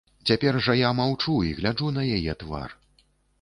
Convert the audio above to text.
Цяпер жа я маўчу і гляджу на яе твар.